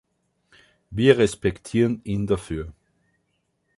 Wir respektieren ihn dafür.